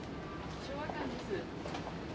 昭和館です。